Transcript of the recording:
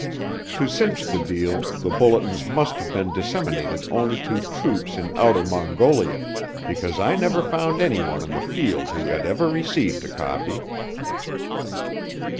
To cinch the deal the bulletins must have been disseminated only to troops in Outer Mongolia because I never found anyone in the field who had ever received a copy.